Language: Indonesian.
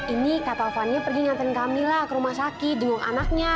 ini kak taufannya pergi nyantain kamila ke rumah sakit dengok anaknya